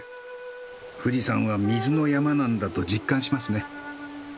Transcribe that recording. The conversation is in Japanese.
富士山は水の山なんだと実感しますね。